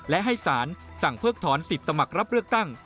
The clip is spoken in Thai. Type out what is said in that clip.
และให้สารสั่งเพิกถอนสิทธิ์สมัครรับเลือกตั้ง